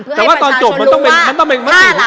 เพื่อให้ประชาชนดูว่าถ้าหลังเลือกตั้ง